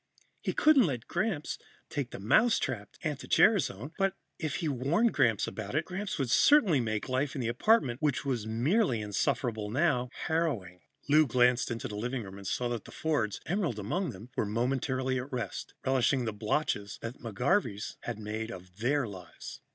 He couldn't let Gramps take the mousetrapped anti gerasone but, if he warned Gramps about it, Gramps would certainly make life in the apartment, which was merely insufferable now, harrowing. Lou glanced into the living room and saw that the Fords, Emerald among them, were momentarily at rest, relishing the botches that the McGarveys had made of their lives.